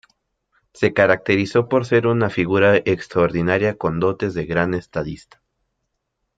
Se caracterizó por ser una figura extraordinaria con dotes de gran estadista.